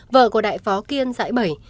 vợ của đại phó kiên dãi bẩy